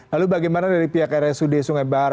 lalu bagaimana dari pihak rsud sungai bahar